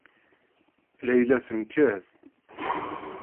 Layla tenker.